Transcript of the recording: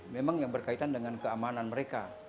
memang yang berkaitan dengan keamanan mereka